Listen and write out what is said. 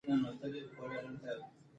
دا موضوع باید په ژوره توګه وڅېړل شي.